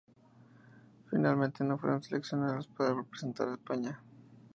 Finalmente no fueron seleccionados para representar a España.